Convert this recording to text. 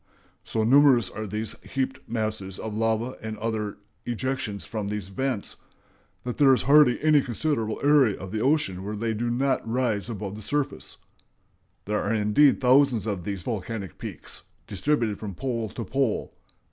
So numerous are these heaped masses of lava and other ejections from these vents that there is hardly any considerable area of the oceans where they do not rise above the surface. There are indeed thousands of these volcanic peaks distributed from pole to pole....